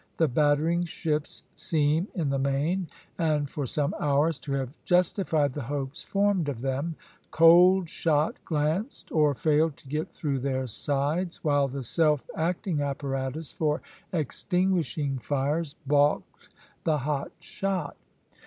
The battering ships seem in the main, and for some hours, to have justified the hopes formed of them; cold shot glanced or failed to get through their sides, while the self acting apparatus for extinguishing fires balked the hot shot.